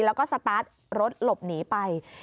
แล้วก็สตาร์ทรถหลบหนีไป